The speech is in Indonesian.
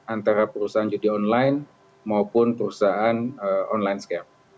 antara perusahaan judi online maupun perusahaan online scape